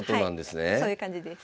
そういう感じです。